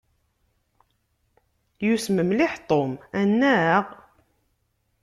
Yussem mliḥ Tom, anaɣ?